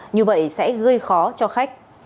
như vậy sẽ gây khó cho khách